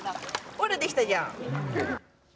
ほら、できたじゃん。